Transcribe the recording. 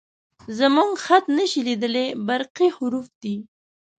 _زموږ خط نه شې لېدلی، برقي حروف دي